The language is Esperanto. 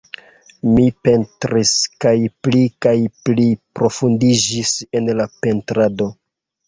Mi pentris kaj pli kaj pli profundiĝis en la pentrado.